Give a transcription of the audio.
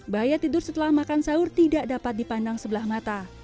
bahaya tidur setelah makan sahur tidak dapat dipandang sebelah mata